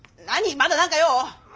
まだ何か用？